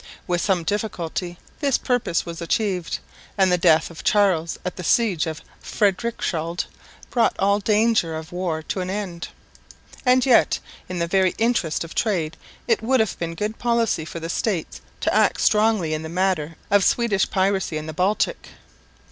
With some difficulty this purpose was achieved; and the death of Charles at the siege of Frederikshald brought all danger of war to an end. And yet in the very interests of trade it would have been good policy for the States to act strongly in this matter of Swedish piracy in the Baltic.